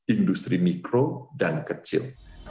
industri mikro dan kecil